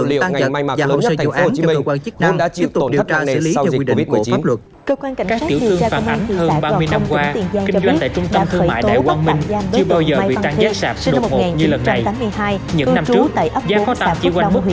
vì hành vi tưởng tốn năm kết nối